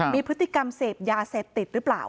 มีพฤติกรรมเสพยาเสพติดหรือเปล่า